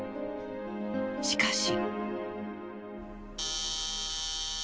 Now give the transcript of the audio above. しかし。